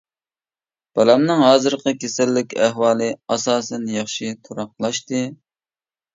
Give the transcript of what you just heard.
بالامنىڭ ھازىرقى كېسەللىك ئەھۋالى ئاساسەن ياخشى، تۇراقلاشتى.